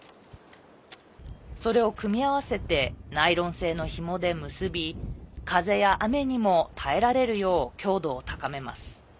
それを組み合わせてナイロン製のひもで結び風や雨にも耐えられるよう強度を高めます。